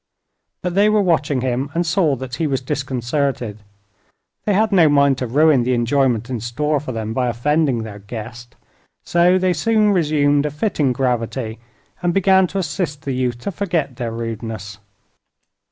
But they were watching him, and saw that he was disconcerted. They had no mind to ruin the enjoyment in store for them by offending their guest, so they soon resumed a fitting gravity and began to assist the youth to forget their rudeness.